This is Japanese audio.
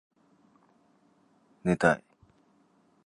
寝たい